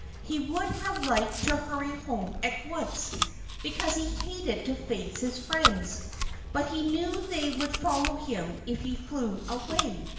He would have liked to hurry home at once, because he hated to face his friends. But he knew they would follow him if he flew away.